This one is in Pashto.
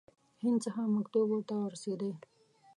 هند څخه مکتوب ورته ورسېدی.